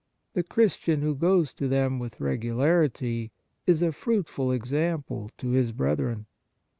The Christian who goes to them with regularity is a fruitful example to his brethren.